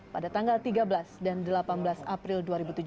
pada tanggal tiga belas dan delapan belas april dua ribu tujuh belas